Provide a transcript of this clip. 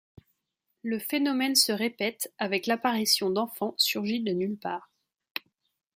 Le phénomène se répète avec l'apparition d'enfants surgis de nulle part.